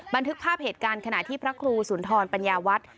บันทึกภาพเหตุการณ์ขณะที่พระครูสุนทรปัญญาวัฒน์